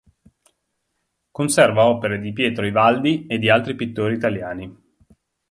Conserva opere di Pietro Ivaldi e di altri pittori italiani.